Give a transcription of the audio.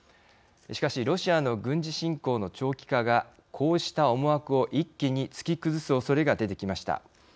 しかし、ロシアの軍事侵攻の長期化が、こうした思惑を一気に突き崩すおそれが出てきました。